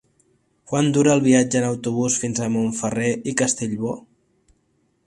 Quant dura el viatge en autobús fins a Montferrer i Castellbò?